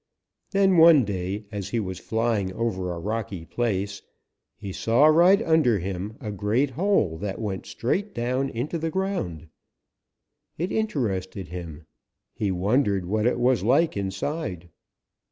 Then one day as he was flying over a rocky place, he saw right under him a great hole that went straight down into the ground. It interested him. He wondered what it was like inside.